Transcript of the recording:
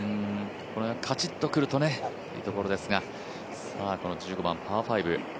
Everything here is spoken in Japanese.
これがカチッとくるとねというところですがこの１５番、パー５。